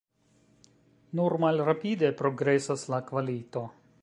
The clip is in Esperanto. Nur malrapide progresas la kvalito.